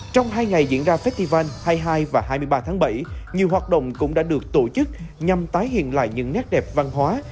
trong hai ngày diễn ra festival hai mươi hai và hai mươi ba tháng bảy nhiều hoạt động cũng đã được tổ chức nhằm tái hiện lại những nét đẹp văn hóa